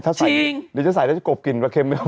เดี๋ยวจะใส่แต่จะโกบกลิ่นปลาเข็มแน่ว